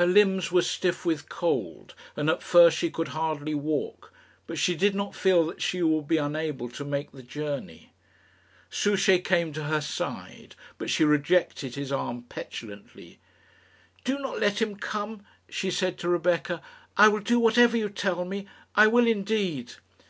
Her limbs were stiff with cold, and at first she could hardly walk; but she did not feel that she would be unable to make the journey. Souchey came to her side, but she rejected his arm petulantly. "Do not let him come," she said to Rebecca. "I will do whatever you tell me; I will indeed."